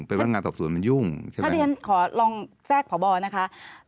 เป็นพนักงานสอบสวนมันยุ่งใช่ไหมถ้าที่ฉันขอลองแทรกพบนะคะ